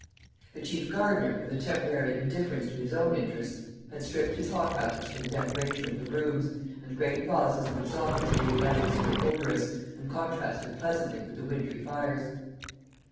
The chief gardener, with a temporary indifference to his own interests, had stripped his hothouses for the decoration of the rooms, and great vases of exotics made the atmosphere odorous, and contrasted pleasantly with the wintry fires.